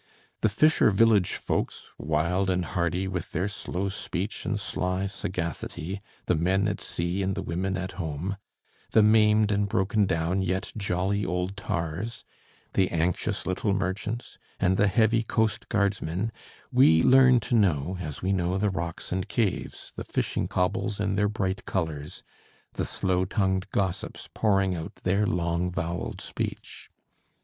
The fisher village folks, wild and hardy, with their slow speech and sly sagacity, the men at sea and the women at home; the maimed and broken down yet jolly old tars; the anxious little merchants, and the heavy coast guardsmen, we learn to know as we know the rocks and caves, the fishing cobbles in their bright colors, the slow tongued gossips pouring out their long voweled speech.